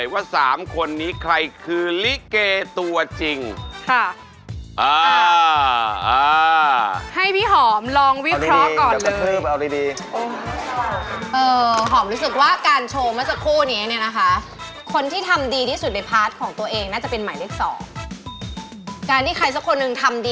ว้าวว้าวขอบคุณนักแสดงทั้งหมดเลยนะครับ